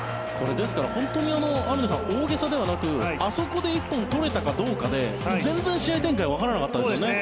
ですから本当に大げさではなくあそこで１本取れたかどうかで全然、試合展開はわからなかったですね。